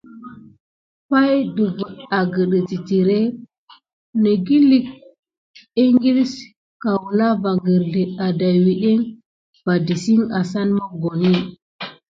Pay ɗəfiŋ agəte titiré naku negəlke ikil kulan va kirzel adawuteki va tisic asane mokoni.